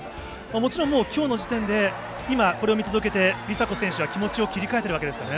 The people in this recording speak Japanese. もちろん、もうきょうの時点で、今、これを見届けて梨紗子選手は気持ちを切り替えているわけですよね。